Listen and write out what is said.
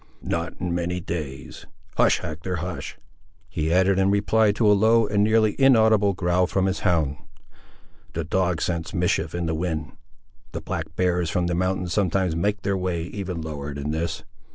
"Not in many days—Hush, Hector, hush," he added in reply to a low, and nearly inaudible, growl from his hound. "The dog scents mischief in the wind! The black bears from the mountains sometimes make their way, even lower than this.